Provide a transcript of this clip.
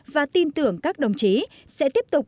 và tin tưởng các đồng chí sẽ tiếp tục